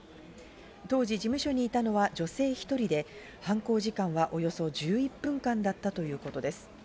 当時、事務所にいたのは女性１人で、犯行時間はおよそ１１分間だったということです。